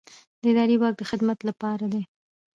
اداري واک د خدمت لپاره دی.